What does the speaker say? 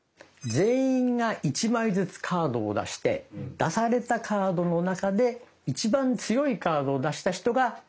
全員が１枚ずつカードを出して出されたカードの中で一番強いカードを出した人が主導権を得る。